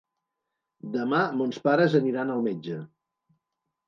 Demà mons pares aniran al metge.